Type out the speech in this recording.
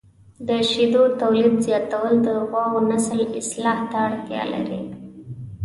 د شیدو تولید زیاتول د غواوو نسل اصلاح ته اړتیا لري.